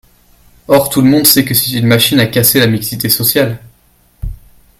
Or tout le monde sait que c’est une machine à casser la mixité sociale.